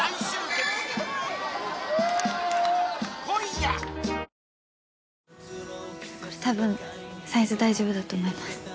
これたぶんサイズ大丈夫だと思います